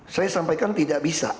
saya sampaikan tidak bisa